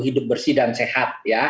hidup bersih dan sehat